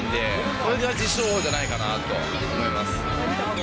これは自称王じゃないかなと思います。